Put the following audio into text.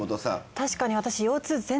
確かに私。